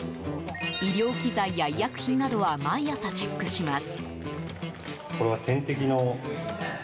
医療器材や医薬品などは毎朝チェックします。